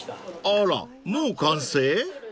［あらもう完成？］